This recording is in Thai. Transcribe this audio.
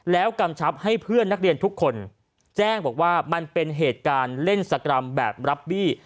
แล้วกำชับให้เพื่อนนักเรียนทุกคนแจ้งบอกว่ามันเป็นเหตุการณ์เล่นสกรรมแบบรับบี้